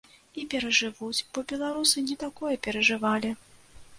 І перажывуць, бо беларусы не такое перажывалі.